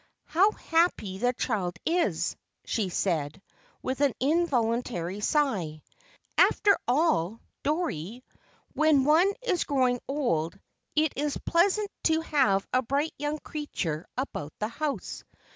"How happy the child is!" she said, with an involuntary sigh. "After all, Dorrie, when one is growing old, it is pleasant to have a bright young creature about the house.